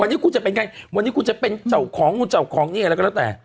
วันนี้คุณจะเป็นใครวันนี้คุณจะเป็นเจ้าของนู่นเจ้าของนี่อะไรก็แล้วแต่